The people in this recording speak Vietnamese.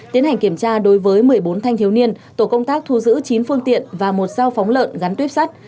tiến hành kiểm tra đối với một mươi bốn thanh thiếu niên tổ công tác thu giữ chín phương tiện và một sao phóng lợn gắn tuyếp sắt